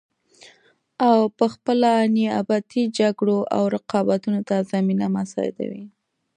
او پخپله نیابتي جګړو او رقابتونو ته زمینه مساعدوي